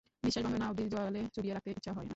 নিশ্বাস বন্ধ না অব্ধি জলে চুবিয়ে রাখতে ইচ্ছা হয় না?